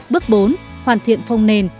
bước bốn hoàn thiện phông nền